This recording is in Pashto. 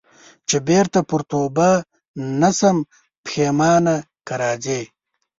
چي بیرته پر توبه نه سم پښېمانه که راځې